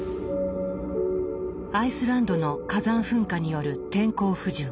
アイスランドの火山噴火による天候不順。